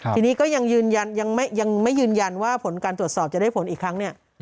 ทีนี้ก็ยังไม่ยืนยันว่าผลการตรวจสอบจะได้ผลอีกครั้งเนี่ย